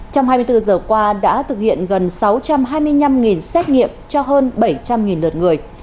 trong hai mươi bốn giờ qua đã thực hiện gần sáu trăm hai mươi năm xét nghiệm cho hơn bảy trăm linh lượt người